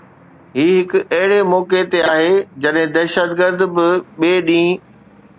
هي هڪ اهڙي موقعي تي آهي جڏهن دهشتگرد به ٻئي ڏينهن